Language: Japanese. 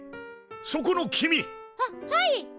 そこの君。ははい。